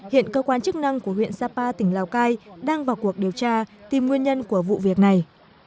hiện cơ quan chức năng của huyện sapa tỉnh lào cai đang vào cuộc điều tra tìm nguyên nhân của vụ việc này